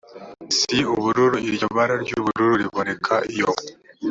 si ubururu iryo bara ry ubururu riboneka iyo